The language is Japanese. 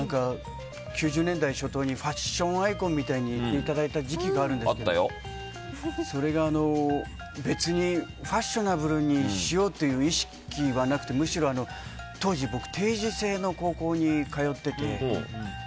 ９０年代初頭にファッションアイコンみたいに言っていただいた時期があるんですけどそれが、別にファッショナブルにしようという意識はなくて、むしろ僕、当時定時制の高校に通っていて。